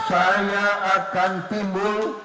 saya akan timbul